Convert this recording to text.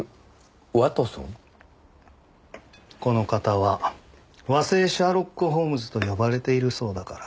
この方は和製シャーロック・ホームズと呼ばれているそうだから。